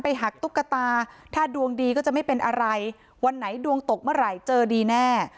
หักตุ๊กตาถ้าดวงดีก็จะไม่เป็นอะไรวันไหนดวงตกเมื่อไหร่เจอดีแน่